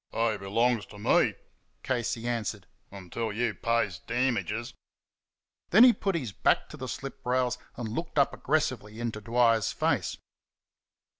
"They belongs t' ME," Casey answered, "until you pay damages." Then he put his back to the slip rails and looked up aggressively into Dwyer's face.